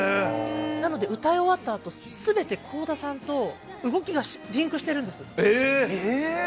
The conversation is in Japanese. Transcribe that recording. なので歌い終わったあと全て倖田さんと動きがリンクしているんです。